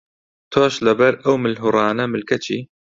تۆش لەبەر ئەو ملهوڕانە ملکەچی؟